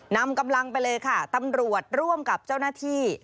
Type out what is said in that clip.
นำกำลังไปเลยค่ะตำรวจร่วมกับเจ้าหน้าที่